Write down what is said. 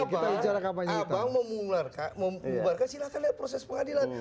kalau abang mau memularkan silakan lihat proses pengadilan